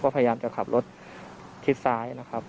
พยายามจะขับรถทิศซ้ายนะครับ